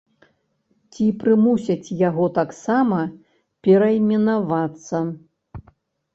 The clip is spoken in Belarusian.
Ці прымусяць яго таксама перайменавацца?